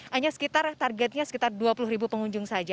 hanya sekitar targetnya sekitar dua puluh ribu pengunjung saja